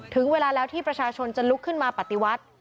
ถึงเวลาแล้วที่ประชาชนจะลุกขึ้นมาปฏิวัติ